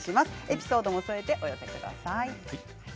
エピソードも添えてお寄せください。